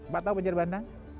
pak tau banjir bandang